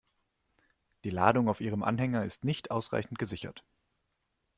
Die Ladung auf Ihrem Anhänger ist nicht ausreichend gesichert.